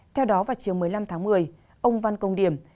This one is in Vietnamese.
theo đó vào chiều một mươi năm tháng một mươi ông văn công điểm